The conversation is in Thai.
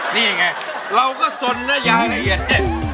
นี่อย่างไรเราก็สนนะยายดิ